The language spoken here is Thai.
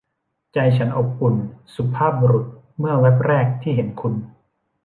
ใจฉันอบอุ่น สุภาพบุรุษ เมื่อแว่บแรกที่เห็นคุณ